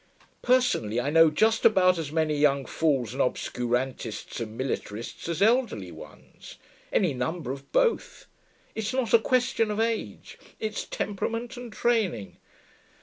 Personally I know just about as many young fools and obscurantists and militarists as elderly ones. Any number of both. It's not a question of age; it's temperament and training.